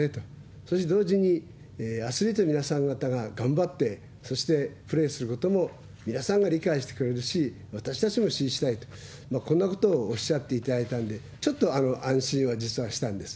そして同時に、アスリートの皆さん方が頑張って、そしてプレーすることも、皆さんが理解してくれるし、私たちも信じたいと、こんなことをおっしゃっていただいたんで、ちょっと安心は実はしたんです。